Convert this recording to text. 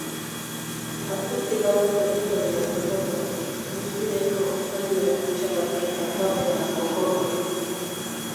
Atzetik haren zerbitzaria zetorren, buztinezko jostailuen kutxa baten kargapean konkorturik.